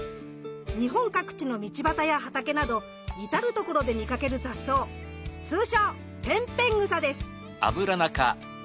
日本各地の道ばたや畑など至る所で見かける雑草通称ペンペングサです。